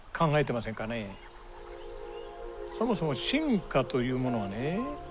そもそも進化というものはね